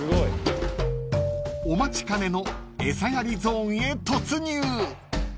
［お待ちかねの餌やりゾーンへ突入］